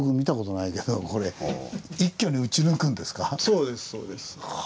そうですそうです。